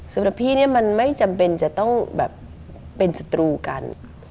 สำหรับพี่เนี่ยมันไม่จำเป็นจะต้องแบบเป็นศัตรูกัน